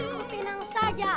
kau tenang saja